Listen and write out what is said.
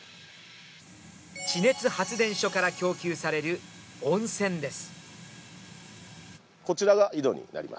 地熱発電所から供給される温泉です。